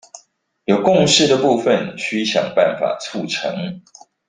有共識的部分須想辦法促成